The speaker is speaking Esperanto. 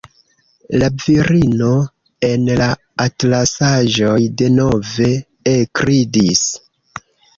La virino en la atlasaĵoj denove ekridis.